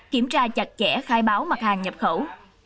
kiểm tra chặt chẽ khai báo mặt hàng nhập khẩu